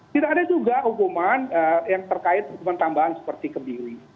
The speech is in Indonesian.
tidak ada juga hukuman yang terkait hukuman tambahan seperti kebiri